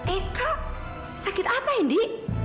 eka sakit apa indi